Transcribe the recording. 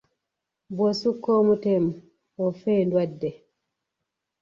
Bw’osukka omutemu ofa endwadde!